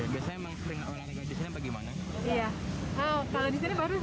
biasanya emang sering olahraga di sini apa gimana